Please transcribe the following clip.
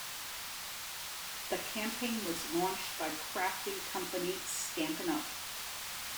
The campaign was launched by crafting company Stampin' Up!